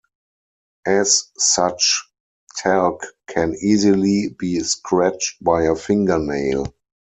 As such, talc can easily be scratched by a fingernail.